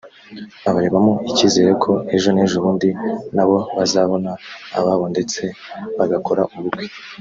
abaremamo icyizere ko ejo n’ejobundi nabo bazabona ababo ndetse bagakora ubukwe